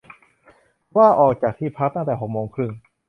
ว่าออกจากที่พักตั้งแต่หกโมงครึ่ง